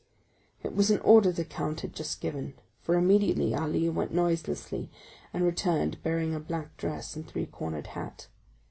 It was an order the count had just given, for immediately Ali went noiselessly, and returned, bearing a black dress and a three cornered hat.